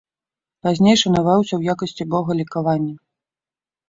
Пазней шанаваўся ў якасці бога лекавання.